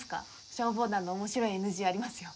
消防団の面白いＮＧありますよ。